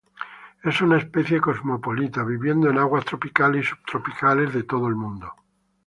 Es una especie cosmopolita, viviendo en aguas tropicales y subtropicales de todo el mundo.